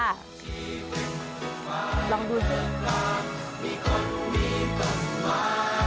อุปกรณ์ที่สุดท้าย